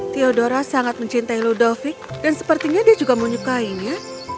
theodora sangat mencintai ludovic dan sepertinya dia juga menyukainya